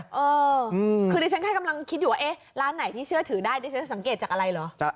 เออคือดิฉันแค่กำลังคิดอยู่ว่าเอ๊ะร้านไหนที่เชื่อถือได้ดิฉันสังเกตจากอะไรเหรอ